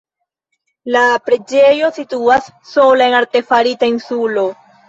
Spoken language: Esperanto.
La preĝejo situas sola en artefarita insulo.